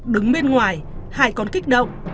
đứng bên ngoài hải còn kích động